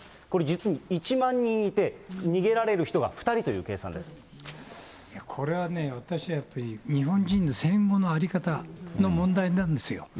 これ、実に１万人いて、逃げられこれはね、私やっぱり日本人の戦後の在り方の問題なんですよ。